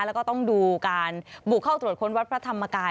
แล้วก็ต้องดูการบุกเข้าตรวจค้นวัดพระธรรมกาย